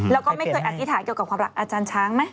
แล้วก็ไม่เคยอธิษฐานเกี่ยวกับความรักอาจารย์ช้างไหม